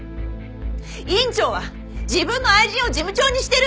院長は自分の愛人を事務長にしてる！